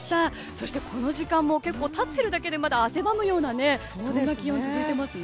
そして、この時間も立っているだけで汗ばむようなそんな気温が続いてますね。